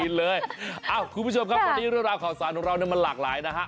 ิ้งเลยคุณผู้ชมครับวันนี้เรื่องราวข่าวสารเราเนี่ยมันหลากหลายนะฮะ